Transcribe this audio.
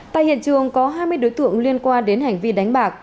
tại hiện trường có hai mươi đối tượng liên quan đến hành vi đánh bạc